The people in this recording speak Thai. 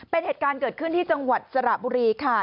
เป็นเหตุการณ์เกิดขึ้นที่จังหวัดสระบุรีค่ะ